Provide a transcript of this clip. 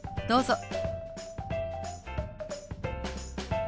どうぞ。